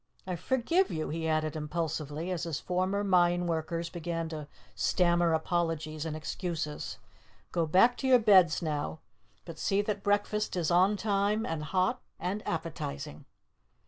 I forgive you!" he added impulsively as his former mine workers began to stammer apologies and excuses. "Go back to your beds now, but see that breakfast is on time and hot and appetizing."